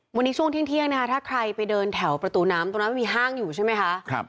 วันนี้ช่วงเที่ยงนะคะถ้าใครไปเดินแถวประตูน้ำตรงนั้นมันมีห้างอยู่ใช่ไหมคะ